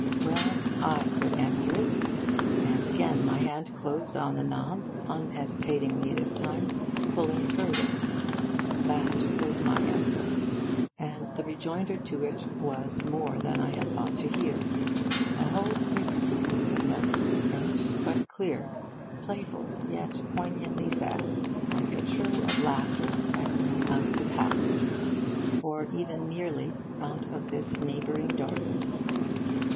Well, I could answer it; and again my hand closed on the knob, unhesitatingly this time, pulling further. That was my answer; and the rejoinder to it was more than I had thought to hear a whole quick sequence of notes, faint but clear, playful, yet poignantly sad, like a trill of laughter echoing out of the past, or even merely out of this neighbouring darkness.